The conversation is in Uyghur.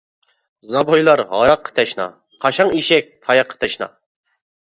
زابويلار ھاراققا تەشنا، قاشاڭ ئېشەك تاياققا تەشنا.